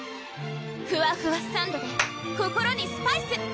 ふわふわサンドｄｅ心にスパイス！